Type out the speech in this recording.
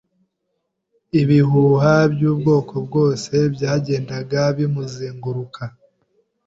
Ibihuha by'ubwoko bwose byagendaga bimuzenguruka.